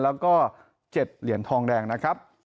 แล้วก็๗เหรียญทองแดงนะครับ